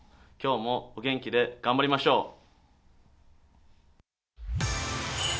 今日もお元気で、頑張りましょう！